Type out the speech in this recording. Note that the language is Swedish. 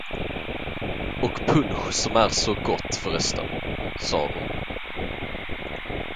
Och punsch som är så gott förresten, sade hon.